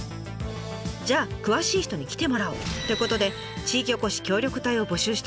じゃあ詳しい人に来てもらおう！ってことで地域おこし協力隊を募集したんです。